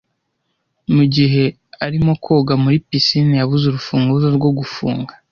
Mu gihe arimo koga muri pisine, yabuze urufunguzo rwo gufunga.